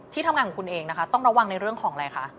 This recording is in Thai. ทำงานของคุณเองนะคะต้องระวังในเรื่องของอะไรคะ